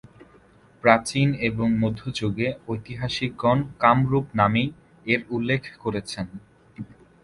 প্রাচীন এবং মধ্যযুগে ঐতিহাসিকগণ কামরূপ নামেই এর উল্লেখ করেছেন।